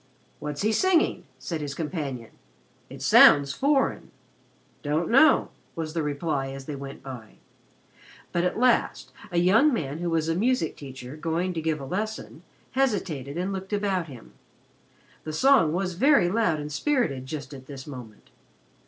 "What's he singing?" said his companion. "It sounds foreign." "Don't know," was the reply as they went by. But at last a young man who was a music teacher, going to give a lesson, hesitated and looked about him. The song was very loud and spirited just at this moment.